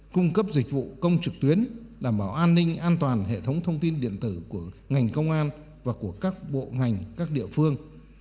cung cấp dịch vụ công trực tuyến đảm bảo an ninh an toàn hệ thống thông tin điện tử của ngành công an và của các bộ ngành các địa phương